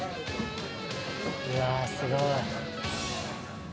うわーすごい。